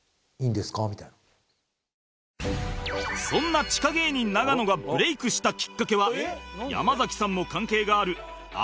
そんな地下芸人永野がブレイクしたきっかけは山崎さんも関係があるあの番組だそうですよ